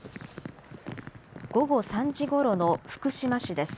午後３時ごろの福島市です。